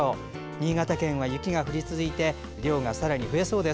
新潟県は雪が降り続いて量がさらに増えそうです。